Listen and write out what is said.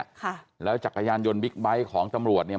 ค่ะแล้วจักรยานยนต์บิ๊กไบท์ของตำรวจเนี่ย